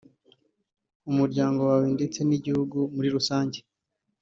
umuryango wawe ndetse n’igihugu muri rusange